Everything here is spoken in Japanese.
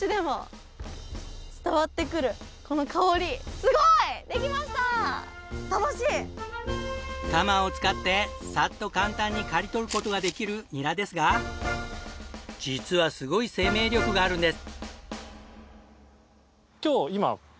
すごい！鎌を使ってさっと簡単に刈り取る事ができるニラですが実はすごい生命力があるんです。